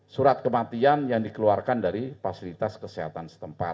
surat kematian yang dikeluarkan dari fasilitas kesehatan setempat